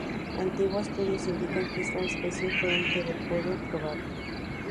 Antiguos estudios indican que esta especie fue un terópodo probable.